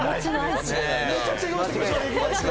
めちゃくちゃ用意しておきましょう！